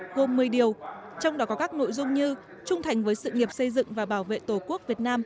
gồm một mươi điều trong đó có các nội dung như trung thành với sự nghiệp xây dựng và bảo vệ tổ quốc việt nam